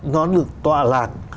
nó được tọa lạc